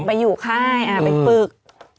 ไปอยู่ค่ะอ่ะไปปลึก